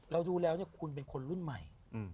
เราดูแล้วคุณเป็นคนรุ่นใหม่